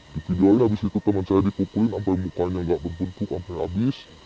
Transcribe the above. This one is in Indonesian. di video in habis itu teman saya dipukulin sampai mukanya nggak berbentuk sampai habis